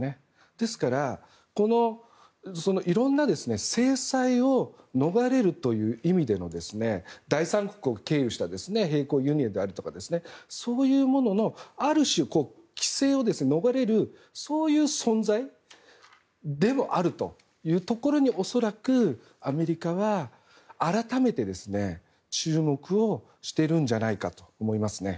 ですから、いろんな制裁を逃れるという意味でも第三国を経由した並行輸入であったりそういうもののある種、規制を逃れるそういう存在でもあるというところに恐らくアメリカは改めて注目をしてるんじゃないかと思います。